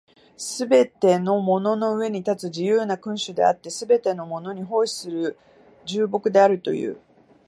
すべてのものの上に立つ自由な君主であって、すべてのものに奉仕する従僕であるという。